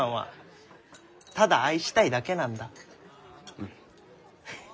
うん。